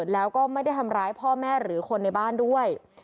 แล้วก็ไม่ได้ทำร้ายพ่อแม่หรือคนในบ้านด้วย